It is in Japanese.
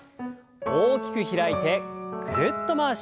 大きく開いてぐるっと回します。